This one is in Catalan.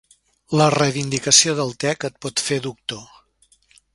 La reivindicació del te que et pot fer doctor.